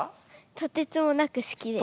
とてつもなく好きです。